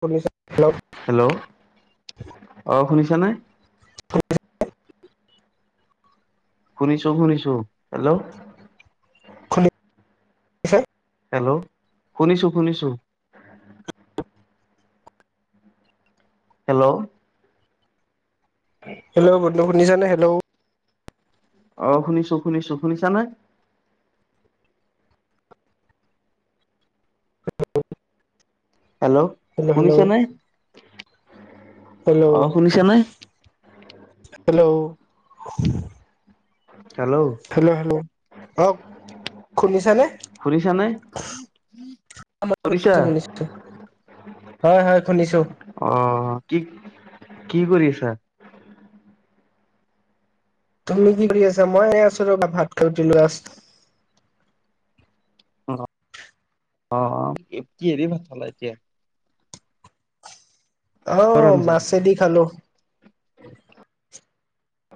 শুনিছে হেল্ল', অ', শুনিছ জানাই [inaudible] শুনিছোঁ, শুনিছোঁ, হেল্ল'। আছে হেল্ল', শুনিছোঁ, শুনিছোঁ। হেল্ল'। হেল্ল', বন্ধু শুনিছানে? হেল্ল'। অ', শুনিছোঁ, শুনিছোঁ, শুনিছানে? [inaudible] হেল্ল', শুনিছা নে? অ, হেল্ল' শুনিছা নে? Hello, [inaudible] hello hello! অহ শুনিছা নে? শুনিছানে? মই শুনিছা? শুনিছো শুনিছো। হয় হয় শুনিছো। অ কি কি কৰি আছা? তুমি কি কৰি আছা? মই এ আছো ৰবা, ভাত [unintelligible] অ' অ'। কিহেৰে ভাত খালা এতিয়া? কিহৰ অ' আঞ্জা? মাছেদি খালো।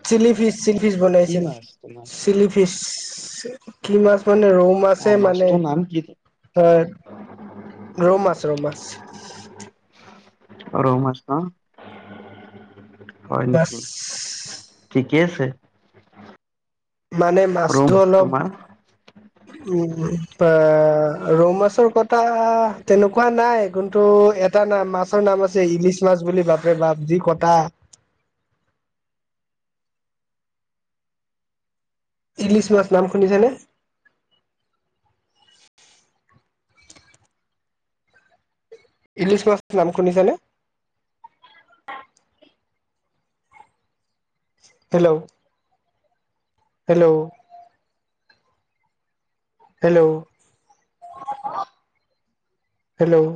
চিলি ফিচ, চিলি ফিচ কি বনাইছিল। মাছ তোমাৰ? চিলি ফিচ [inaudible] কি মাছ মানে, ৰৌ অ মাছে মানে। মাছটোৰ নাম কি? অ ৰৌ মাছ ৰৌ মাছ। ৰৌ মাছ ন। ৰৌ মাছ কি আছে মানে ৰৌ মাছটো অলপ তোমাৰ? উম। এ ৰৌ মাছৰ কটা তেনেকুৱা নাই কিন্তু এটা নাম মাছৰ নাম আছে ইলিছ মাছ বুলি বাপৰেবাপ বা যি কটা। ইলিছ মাছ নাম শুনিছেনে? ইলিছ মাছটো নাম শুনিছানে? Hello hello hello? হেল্ল'?